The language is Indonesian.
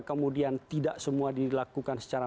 kemudian tidak semua dilakukan secara